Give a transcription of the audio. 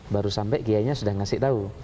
baru sampai kiainya sudah ngasih tahu